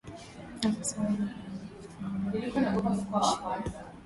afisa wa meli alialika familia kuingia ndani ya mashua